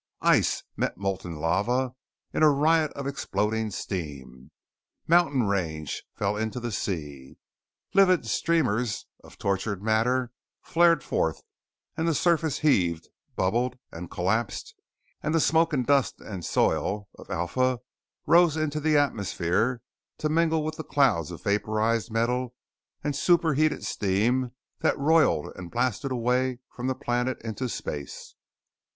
Ice met molten lava in a riot of exploding steam; mountain range fell into the sea, livid streamers of tortured matter flared forth, and the surface heaved, bubbled, and collapsed and the smoke and dust and soil of Alpha rose into the atmosphere to mingle with the clouds of vaporized metal and superheated steam that roiled and blasted away from the planet into space.